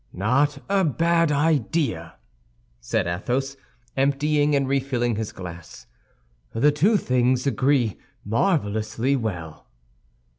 "Not a bad idea!" said Athos, emptying and refilling his glass. "The two things agree marvelously well."